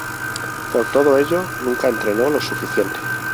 Por todo ello, nunca entrenó lo suficiente.